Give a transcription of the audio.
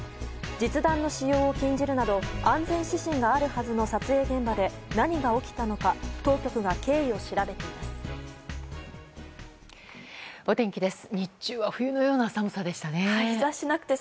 実弾の使用を禁じるなど安全指針があるはずの撮影現場で何が起きたのか当局が経緯を調べています。